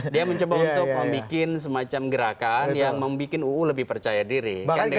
dia mencoba untuk membuat semacam gerakan yang membuat uu lebih percaya diri